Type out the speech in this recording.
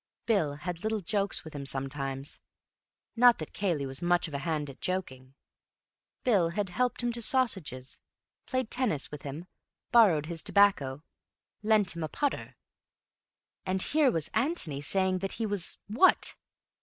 Bill had had little jokes with him sometimes; not that Cayley was much of a hand at joking. Bill had helped him to sausages, played tennis with him, borrowed his tobacco, lent him a putter.... and here was Antony saying that he was—what?